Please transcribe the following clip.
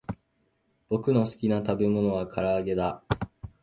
ぼくのすきなたべものはからあげだ